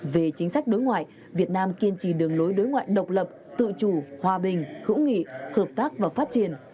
về chính sách đối ngoại việt nam kiên trì đường lối đối ngoại độc lập tự chủ hòa bình hữu nghị hợp tác và phát triển